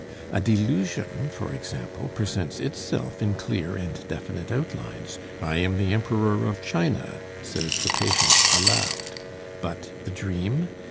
A delusion, for example, presents itself in clear and definite outlines. "I am the Emperor of China," says the patient aloud. But the dream?